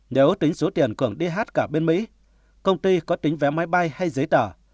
nếu tính số tiền cường đi hát cả bên mỹ công ty có tính vé máy bay hay giấy tờ